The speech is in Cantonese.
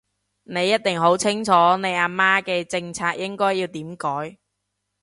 你一定好清楚你阿媽嘅政策應該要點改